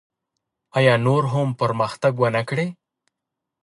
آیا نور هم پرمختګ ونکړي؟